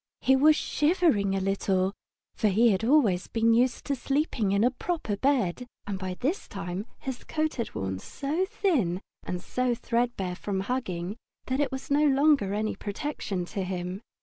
He was shivering a little, for he had always been used to sleeping in a proper bed, and by this time his coat had worn so thin and threadbare from hugging that it was no longer any protection to him.